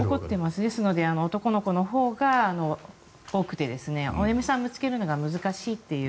だから男の子のほうが多くてお嫁さんを見つけるのが難しいという。